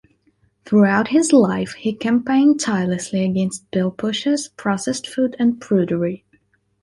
Throughout his life, he campaigned tirelessly against "pill-pushers", processed foods and prudery.